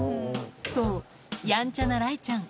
そうやんちゃな雷ちゃん